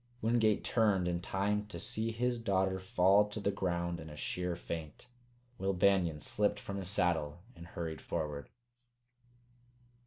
Wingate turned in time to see his daughter fall to the ground in a sheer faint. Will Banion slipped from his saddle and hurried forward.